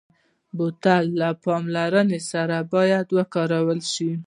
بوتل له پاملرنې سره باید وکارول شي.